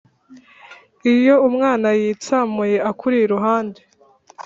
lyo umwana yitsamuye akuri iruhande